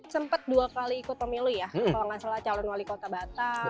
sempat dua kali ikut pemilu ya kalau nggak salah calon wali kota batam